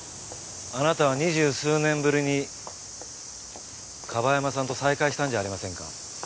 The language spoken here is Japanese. あなたは２０数年ぶりに樺山さんと再会したんじゃありませんか？